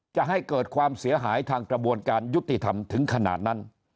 จะให้เกิดความเสียหายทางกระบวนการยุติธรรมถึงขนาดนั้น